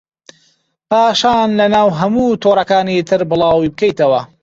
پاشان لەناو هەموو تۆڕەکانی تر بڵاوی بکەیتەوە